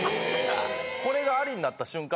・これがアリになった瞬間